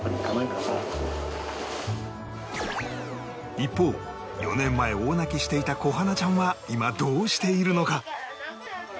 一方４年前大泣きしていた小花ちゃんは今どうしているのか？